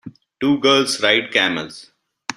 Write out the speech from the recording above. two girls ride camels.